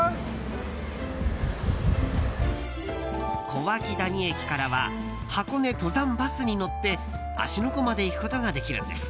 小涌谷駅からは箱根登山バスに乗って芦ノ湖まで行くことができるんです。